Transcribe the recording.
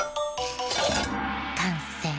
かんせい。